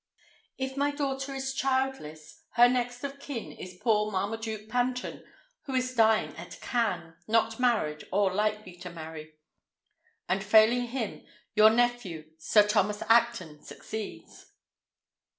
"If my daughter is childless, her next of kin is poor Marmaduke Panton, who is dying at Cannes, not married, or likely to marry; and failing him, your nephew, Sir Thomas Acton, succeeds."